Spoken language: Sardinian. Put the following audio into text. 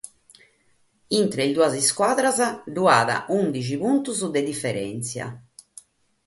Intre sas duas iscuadras b'at ùndighi puntos de diferèntzia.